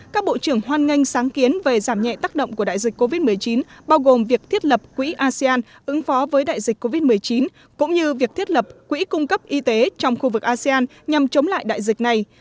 các bộ trưởng hoan nganh sáng kiến về giảm nhẹ tác động của đại dịch covid một mươi chín bao gồm việc thiết lập quỹ asean ứng phó với đại dịch covid một mươi chín cũng như việc thiết lập quỹ cung cấp y tế trong khu vực asean nhằm chống lại đại dịch này